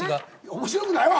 面白くないわ！